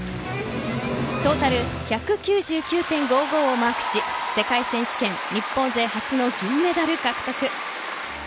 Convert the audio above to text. トータル１９９．５５をマークし世界選手権日本勢初の銀メダル獲得。